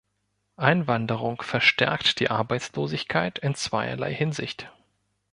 Einwanderung verstärkt die Arbeitslosigkeit in zweierlei Hinsicht.